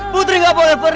putri gak boleh pergi